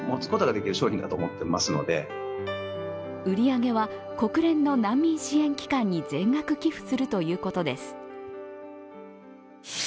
売り上げは国連の難民支援機関に全額寄付するということです。